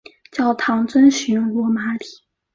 教堂遵循罗马礼。